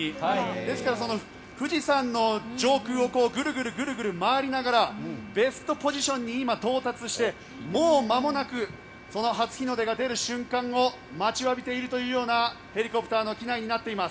ですから、富士山の上空をグルグル回りながらベストポジションに今、到達してもうまもなくその初日の出が出る瞬間を待ちわびているというようなヘリコプターの機内になっています。